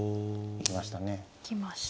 行きました。